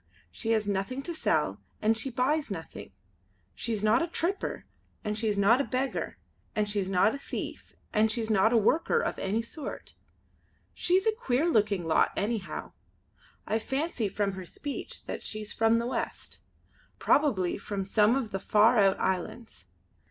She has nothing to sell and she buys nothing. She's not a tripper, and she's not a beggar, and she's not a thief, and she's not a worker of any sort. She's a queer looking lot anyhow. I fancy from her speech that she's from the west; probably from some of the far out islands.